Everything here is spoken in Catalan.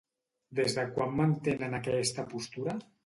Des de quan mantenen aquesta postura?